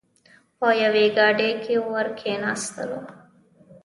په یوې ګاډۍ کې ور کېناستلو.